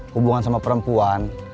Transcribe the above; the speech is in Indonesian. hubungan sama perempuan